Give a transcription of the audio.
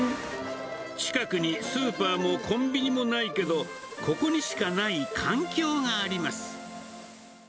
近くにスーパーもコンビニもないけど、ここにしかない環境があります。